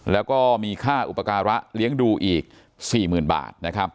และมีค่าอุปการะเลี้ยงดูอีก๔๐๐๐๐บาท